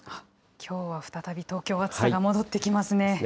きょうは再び東京、暑さが戻ってきますね。